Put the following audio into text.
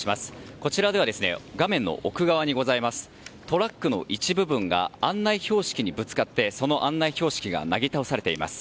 こちらでは画面の奥側にございますトラックの一部分が案内標識にぶつかってその案内標識がなぎ倒されています。